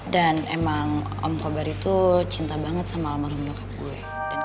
dan emang om kobar itu cinta banget sama almarhum nyokap gue